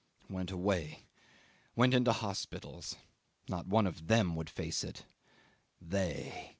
"Went away ... went into hospitals. ... Not one of them would face it. ... They!